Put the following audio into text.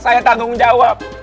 saya tanggung jawab